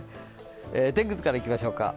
天気図からいきましょう。